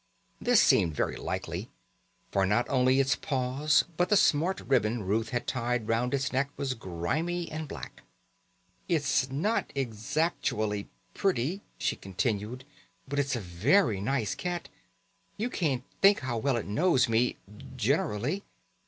This seemed very likely, for not only its paws but the smart ribbon Ruth had tied round its neck was grimy and black. "It's not exactually pretty," she continued, "but it's a very nice cat. You can't think how well it knows me generally."